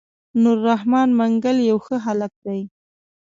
نور رحمن منګل يو ښه هلک دی.